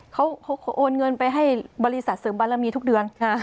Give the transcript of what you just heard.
เขาโอนเงินไปให้บริษัทเสริมบารมีทุกเดือน